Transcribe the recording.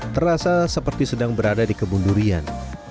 terasa seperti sedang berada di kebun durian